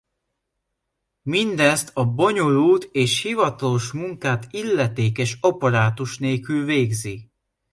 Mindezt a bonyolult és hivatalos munkát illetékes apparátus nélkül végzi.